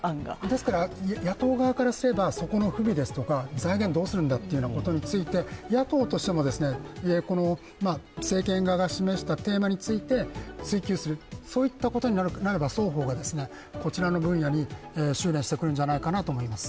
ですから、野党側からすればそこの不備ですとか財源どうするんだっていうことについて野党としても政権側が示したテーマについて追及する、そういったことになれば双方がこちらの分野に収れんしてくるんじゃないかなと思います。